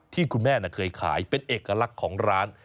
ที่คุณแม่เคยขายเป็นเอกลักษณ์ของร้าน